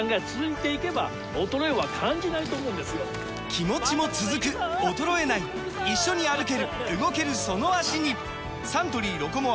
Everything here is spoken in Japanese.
気持ちも続く衰えない一緒に歩ける動けるその脚にサントリー「ロコモア」！